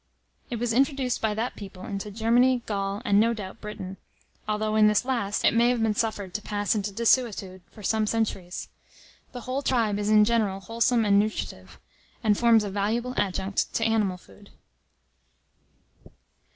It was introduced by that people into Germany, Gaul, and, no doubt, Britain; although, in this last, it may have been suffered to pass into desuetude for some centuries. The whole tribe is in general wholesome and nutritive, and forms a valuable adjunct to animal food.